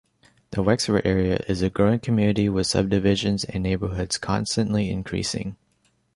The Wexford area is a growing community with subdivisions and neighborhoods constantly increasing.